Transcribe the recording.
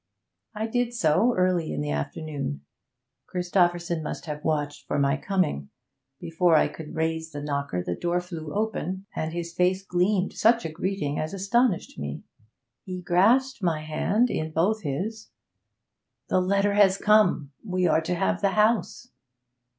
I did so, early in the afternoon. Christopherson must have watched for my coming: before I could raise the knocker the door flew open, and his face gleamed such a greeting as astonished me. He grasped my hand in both his. 'The letter has come! We are to have the house.'